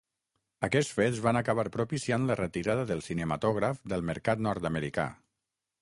Aquests fets van acabar propiciant la retirada del cinematògraf del mercat nord-americà.